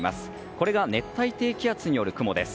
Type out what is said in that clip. これが熱帯低気圧による雲です。